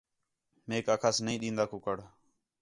میک آکھاس نہیں ݙین٘دا کُکڑ